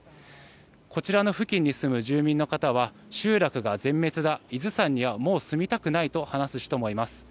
こちらの付近に住む住民の方は集落が全滅だ伊豆山にはもう住みたくないと話す人もいます。